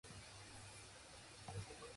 The chain's current slogan is We Live Food.